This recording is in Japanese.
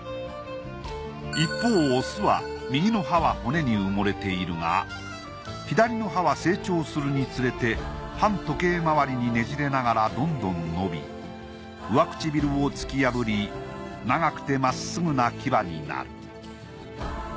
一方オスは右の歯は骨に埋もれているが左の歯は成長するにつれて反時計回りにねじれながらどんどん伸び上唇を突き破り長くてまっすぐな牙になる。